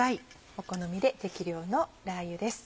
お好みで適量のラー油です。